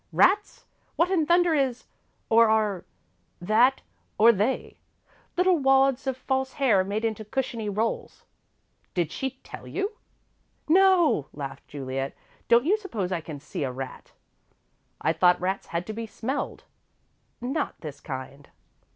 "Rats? What in thunder is or are that, or they?" "Little wads of false hair made into cushiony rolls." "Did she tell you?" "No," laughed Juliet. "Don't you suppose I can see a rat?" "I thought rats had to be smelled." "Not this kind."